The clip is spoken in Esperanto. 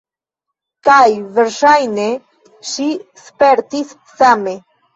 Kaj verŝajne ŝi spertis same.